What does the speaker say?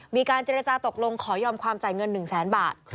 มีการเจรจาตกลงขอยอมความจ่ายเงิน๑แสนบาท